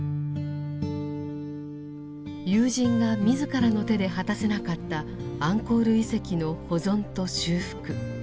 友人が自らの手で果たせなかったアンコール遺跡の保存と修復。